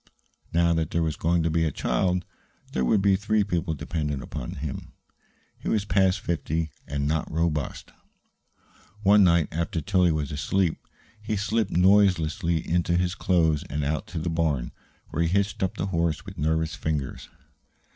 Now that there was going to be a child, there would be three people dependent upon him. He was past fifty, and not robust. One night, after Tillie was asleep, he slipped noiselessly into his clothes and out to the barn, where he hitched up the horse with nervous fingers.